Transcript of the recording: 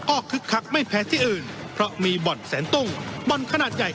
คึกคักไม่แพ้ที่อื่นเพราะมีบ่อนแสนตุ้งบ่อนขนาดใหญ่